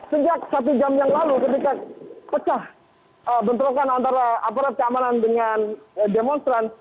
sejak satu jam yang lalu ketika pecah bentrokan antara aparat keamanan dengan demonstran